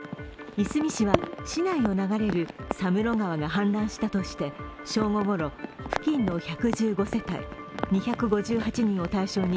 いすみ市は市内を流れる佐室川が氾濫したとして正午ごろ、付近の１１５世帯２５８人を対象に